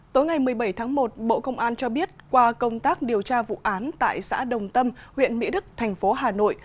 tối ngày một mươi bảy tháng một bộ công an cho biết qua công tác điều tra vụ án tại xã đồng tâm huyện mỹ đức thành phố hà nội